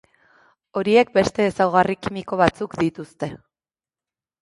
Horiek beste ezaugarri kimiko batzuk dituzte.